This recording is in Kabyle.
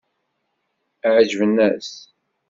Ɛeǧben-as?